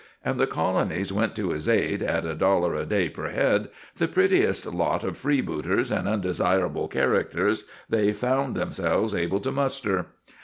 and the Colonies sent to his aid, at a dollar a day per head, the prettiest lot of freebooters and undesirable characters they found themselves able to muster.